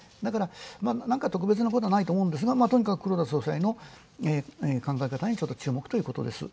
特別なことはないと思いますがとにかく黒田総裁の考え方に注目ということです。